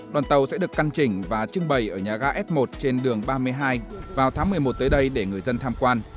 đoàn tàu sẽ được căn chỉnh và trưng bày ở nhà ga s một trên đường ba mươi hai vào tháng một mươi một tới đây để người dân tham quan